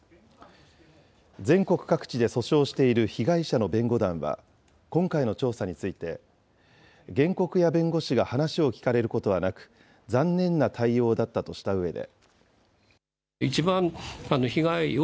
全国各地で訴訟している被害者の弁護団は、今回の調査について、原告や弁護士が話を聞かれることはなく、残念な対応だったとしたうえで。